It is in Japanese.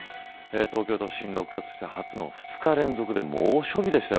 東京都心６月としては初の２日連続で猛暑日でした。